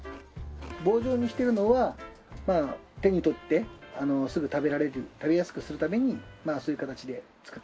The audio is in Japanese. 棒状にしてるのは手に取ってすぐ食べられる食べやすくするためにそういう形で作ってます。